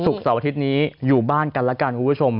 เสาร์อาทิตย์นี้อยู่บ้านกันแล้วกันคุณผู้ชม